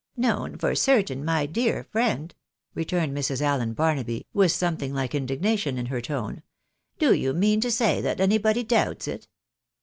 " Known for certain, my dear friend ?" returned Mrs. Allen Barnaby, with something like indignation in her^ tone ;" do you mean to say that anybody doubts it?